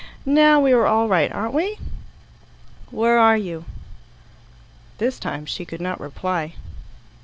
"Now we are all right, aren't we?" "Where are you?" This time she could not reply.